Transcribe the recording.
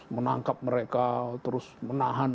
menangkap mereka terus menangkap